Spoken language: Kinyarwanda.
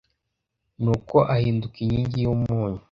Nuko ahinduka inkingi y’umunyu